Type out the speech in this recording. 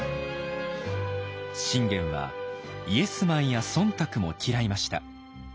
信玄はイエスマンや忖度も嫌いました。